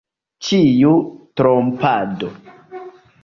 Ĉiu trompado!